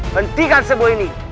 hentikan semua ini